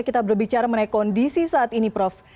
kita berbicara mengenai kondisi saat ini prof